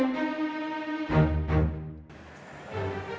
bella kamu udah ngeliat semua